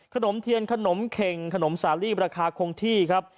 ขนมเทียนขนมเข็งขนมสาลีราคาคงที่ครับ